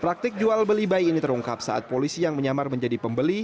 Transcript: praktik jual beli bayi ini terungkap saat polisi yang menyamar menjadi pembeli